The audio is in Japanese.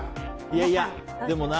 いやいや、でもな。